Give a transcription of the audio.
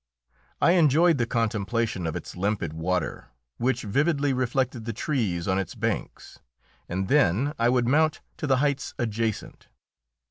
I enjoyed the contemplation of its limpid water, which vividly reflected the trees on its banks. And then I would mount to the heights adjacent.